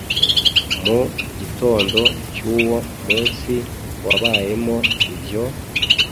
Mu gitondo cy’uwo munsi wabayemo ibyo,